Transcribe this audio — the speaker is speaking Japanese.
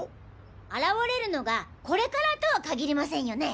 現れるのがこれからとは限りませんよね？